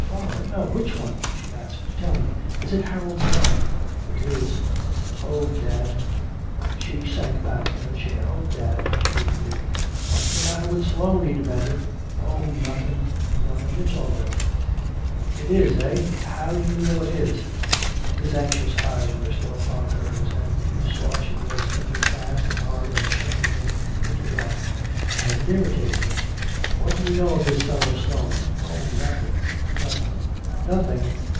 "Father! No! Which one?" she asked. "Tell me! Is it Harold Sloane?" "It is." "Oh, dad." She sank back in her chair. "Oh, dad," she repeated. "What's the matter with Sloane?" he demanded. "Oh, nothing, nothing it's all right " "It is, eh? How do you know it is?" His anxious eyes were still upon hers, and he saw she was thinking fast and hard and shutting him completely out. And it irritated him. "What do you know of this fellow Sloane?" "Oh, nothing nothing " "Nothing!